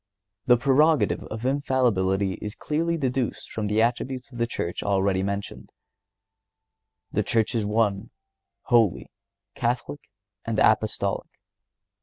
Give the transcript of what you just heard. The prerogative of infallibility is clearly deduced from the attributes of the Church already mentioned. The Church is One, Holy, Catholic, and Apostolic.